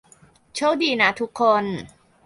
โชคดีนะทุกคน